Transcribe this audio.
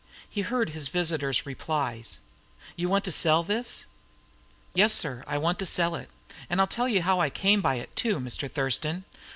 He heard his visitor's replies. "You want to sell this?" "Yes, sir, I want to sell it. I'll tell you how I came by it, too, Mr. Thurston.